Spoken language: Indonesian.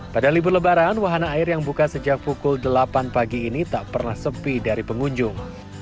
pada libur lebaran wahana air yang buka sejak pukul delapan pagi ini tak pernah sepi dari pengunjung